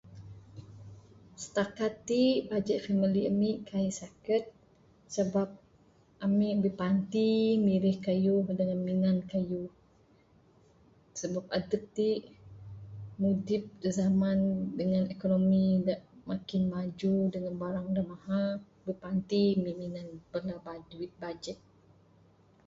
Stakat ti bajet family ami kaik saket. Sebab ami bipanti mirih kayuh dangan minan kayuh. Sabab adep ti mudip da zaman dangan ekonomi da makin maju dangan bala barang da mahar. Bipanti mah minan duit bajet.